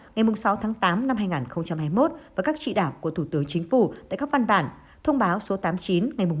ngày sáu tháng tám năm hai nghìn hai mươi một và các trì đạo của thủ tướng chính phủ tại các văn bản thông báo số tám mươi chín ngày